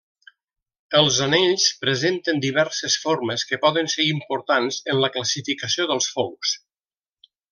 Els anells presenten diverses formes que poden ser importants en la classificació dels fongs.